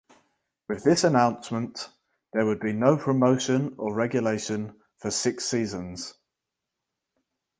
With this announcement there would be no promotion or regulation for six seasons.